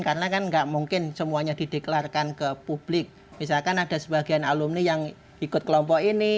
karena kan gak mungkin semuanya dideklarkan ke publik misalkan ada sebagian alumni yang ikut kelompok ini